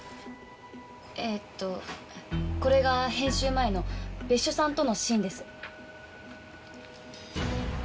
えーっとこれが編集前の別所さんとのシーンです。